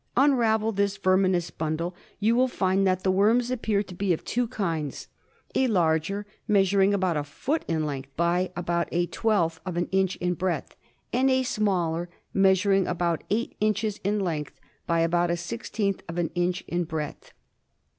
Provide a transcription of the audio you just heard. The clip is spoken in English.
Unravel this verminous bundle. You will find that the worms appear to be of two kinds — a larger, measuring about a foot in length by about a twelfth of an inch in breadth, and a smaller, measur ing about eight inches in length by about a sixteenth of/ an inch in breadth.